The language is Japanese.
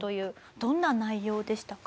どんな内容でしたか？